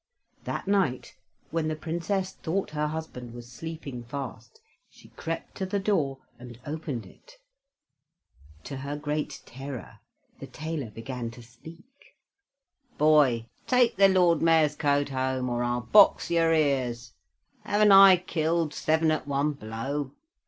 That night, when the Princess thought her husband was sleeping fast, she crept to the door and opened it. To her great terror, the tailor began to speak. "Boy, take the Lord Mayor's coat home, or I'll box your ears. Haven't I killed seven at one blow?